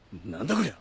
こりゃ。